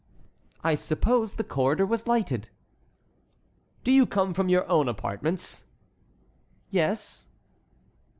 "I supposed the corridor was lighted." "Do you come from your own apartments?" "Yes."